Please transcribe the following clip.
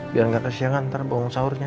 biar gak kesiangan ntar bongsaurnya